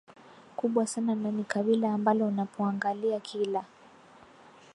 kubwa sana na ni kabila ambalo unapoangalia kila